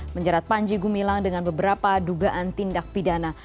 menjerat panji gumilang dengan beberapa dugaan tindak pidana